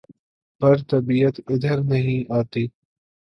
پر طبیعت ادھر نہیں آتی